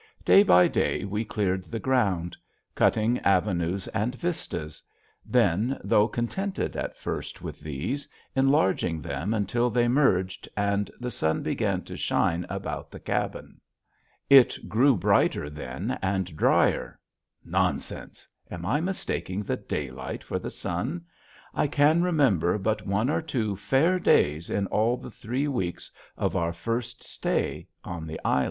Day by day we cleared the ground; cutting avenues and vistas; then, though contented at first with these, enlarging them until they merged, and the sun began to shine about the cabin. It grew brighter then and drier, nonsense! am I mistaking the daylight for the sun? I can remember but one or two fair days in all the three weeks of our first stay on the island.